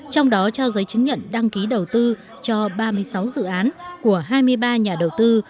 trong đó trao giấy chứng nhận đăng ký đầu tư cho ba mươi sáu dự án của hai mươi ba nhà đầu tư